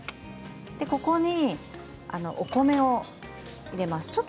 ここにお米を入れます。